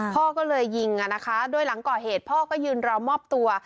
พ่อก็เลยยิงอ่ะนะคะโดยหลังก่อเหตุพ่อก็ยืนรอมอบตัว